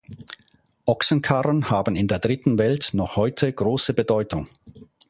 Ochsenkarren haben in der dritten Welt noch heute große Bedeutung.